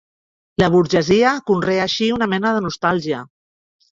La burgesia conrea així una mena de nostàlgia.